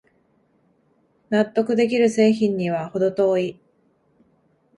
納得できる製品にはほど遠い